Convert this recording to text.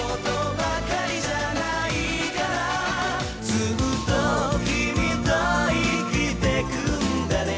「ずっと君と生きてくんだね」